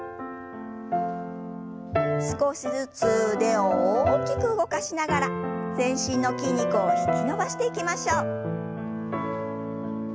少しずつ腕を大きく動かしながら全身の筋肉を引き伸ばしていきましょう。